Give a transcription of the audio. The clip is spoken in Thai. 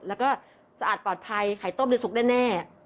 แล้วก็สะอาดปลอดภัยไข่ต้มในสุกแน่